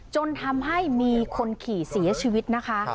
จนทำให้มีคนขี่เสียชีวิตนะคะ